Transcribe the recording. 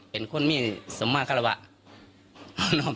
เป็นคนไม่สามารถการระวัก